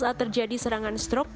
maka saat terjadi serangan stroke